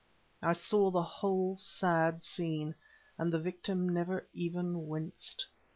I saw the whole sad scene, and the victim never even winced.